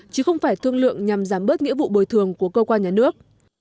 chứ không phải thương lượng nhằm giảm bớt nghĩa vụ bồi thường của cơ quan nhà nước